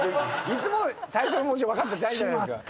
いつも最初の文字を分かってないじゃないすか。